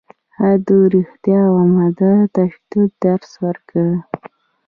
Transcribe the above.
هغه د رښتیا او عدم تشدد درس ورکړ.